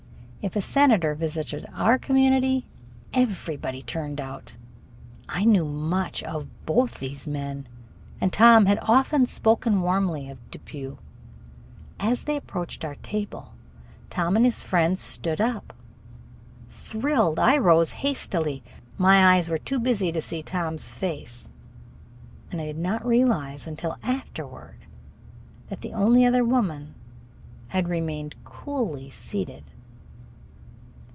If a senator visited our community, everybody turned out. I knew much of both these men, and Tom had often spoken warmly of Depew. As they approached our table, Tom and his friend both stood up. Thrilled, I rose hastily. My eyes were too busy to see Tom's face, and I did not realize until afterward that the only other woman had remained coolly seated.